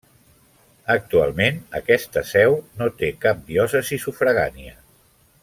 Actualment, aquest seu no té cap diòcesi sufragània.